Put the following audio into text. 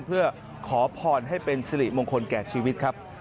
เพื่อขอพรให้เป็นสิริมงคลแก่ชีวิตครับ